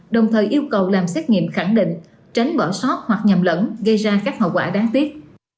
đồng thời yêu cầu làm xét nghiệm khẳng định tránh bỏ sót hoặc nhầm lẫn gây ra các hậu quả đáng tiếc